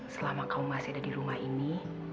selama kau masih ada di rumah ini